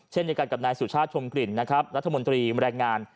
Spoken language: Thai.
เช่นเดียวกันกับนายสุชาติชมกลิ่นนะครับรัฐมนตรีแรงงาน